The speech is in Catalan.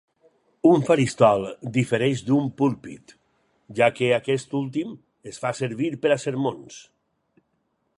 Un faristol difereix d'un púlpit, ja que aquest últim es fa servir per a sermons.